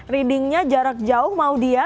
readingnya jarak jauh maudie ya